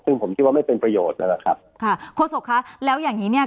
ซึ่งผมคิดว่าไม่เป็นประโยชน์นั่นแหละครับค่ะโฆษกคะแล้วอย่างงี้เนี้ย